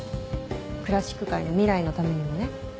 クラシック界の未来のためにもね。